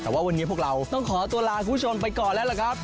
แต่ว่าวันนี้พวกเราต้องขอตัวลาคุณผู้ชมไปก่อนแล้วล่ะครับ